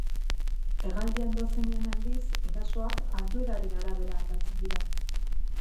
Hegaldian doazenean aldiz erasoak altueraren arabera aldatzen dira.